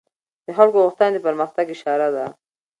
د خلکو غوښتنې د پرمختګ اشاره ده